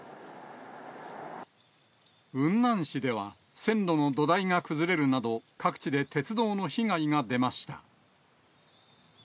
雲南市では、線路の土台が崩れるなど、各地で鉄道の被害が出ました。